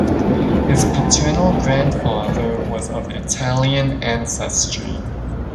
His paternal grandfather was of Italian ancestry.